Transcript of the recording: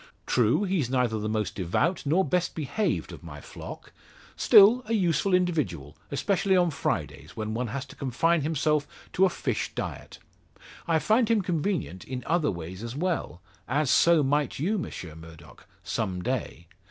True, he's neither the most devout nor best behaved of my flock; still a useful individual, especially on Fridays, when one has to confine himself to a fish diet. I find him convenient in other ways as well; as so might you, Monsieur Murdock some day.